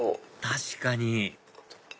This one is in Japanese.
確かに！